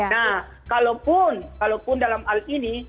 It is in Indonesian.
nah kalaupun kalaupun dalam hal ini